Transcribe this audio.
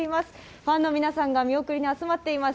ファンの皆さんが見送りに集まっています。